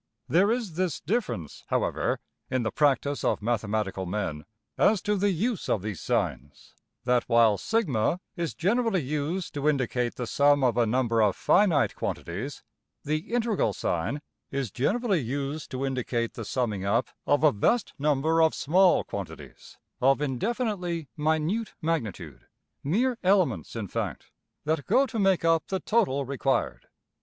There is this difference, however, in the practice of mathematical men as to the use of these signs, that while $\sum$ is generally used to indicate the sum of a number of finite quantities, the integral sign~$\ds\int$ is generally used to indicate the summing up of a vast number of small quantities of indefinitely minute magnitude, mere elements in fact, that go to make up the total required.